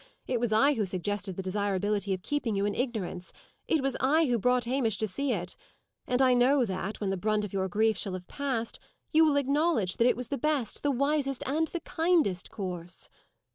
It was I who suggested the desirability of keeping you in ignorance; it was I who brought Hamish to see it: and I know that, when the brunt of your grief shall have passed, you will acknowledge that it was the best, the wisest, and the kindest course."